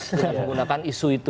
dengan menggunakan isu itu